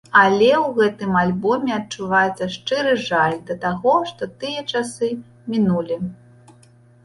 Але ў гэтым альбоме адчуваецца шчыры жаль да таго, што тыя часы мінулі.